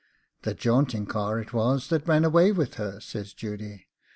'The jaunting car it was that ran away with her,' says Judy.